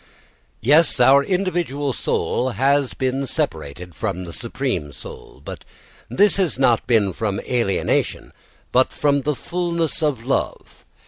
Yes, our individual soul has been separated from the supreme soul, but this has not been from alienation but from the fullness of love.